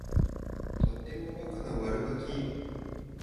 とってもおバカな悪ガキ